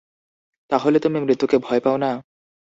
তাহলে তুমি মৃত্যুকে ভয় পাও না?'